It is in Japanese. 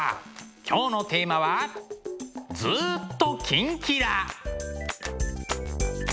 今日のテーマは「ずーっとキンキラ★」！